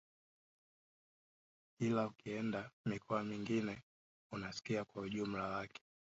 Ila ukienda mikoa mingine unasikia kwa ujumla wake